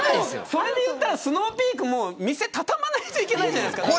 それでいったらスノーピーク店、畳まないといけないじゃないですか。